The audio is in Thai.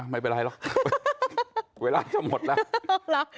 ไม่เป็นไรหรอกเวลาจะหมดแล้ว